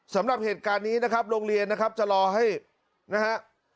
สำหรับเหตุการณ์นี้นะครับโรงเรียนนะครับจะรอให้นะฮะ